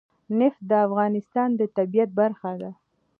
نفت د افغانستان د طبیعت برخه ده.